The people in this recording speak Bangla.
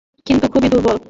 এ কিন্তু খুবই দুর্লভ।